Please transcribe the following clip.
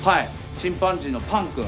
チンパンジーのパンくん。